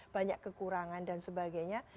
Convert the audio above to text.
banyak kekurangan dan sebagainya